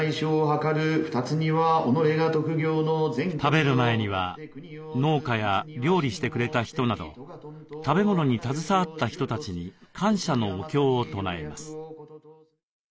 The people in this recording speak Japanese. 食べる前には農家や料理してくれた人など食べ物に携わった人たちに感謝のお経を唱えます。